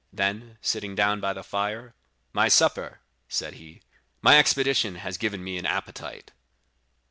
Then sitting down by the fire, 'My supper,' said he; 'my expedition has given me an appetite.